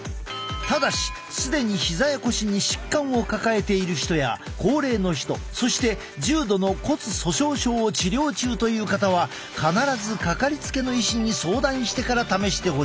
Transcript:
ただし既にひざや腰に疾患を抱えている人や高齢の人そして重度の骨粗しょう症を治療中という方は必ず掛かりつけの医師に相談してから試してほしい。